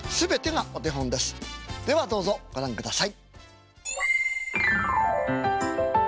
ではどうぞご覧ください。